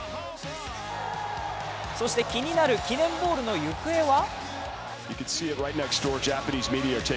そして気になる記念ボールの行方は？